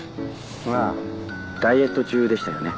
ああダイエット中でしたよね。